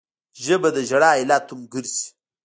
ژبه د ژړا علت هم ګرځي